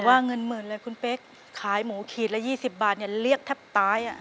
ว่าเงินหมื่นเลยคุณเป๊กขายหมูขีดละ๒๐บาทเรียกแทบตาย